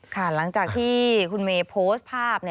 หลังจากที่คุณเมย์โพสต์ภาพ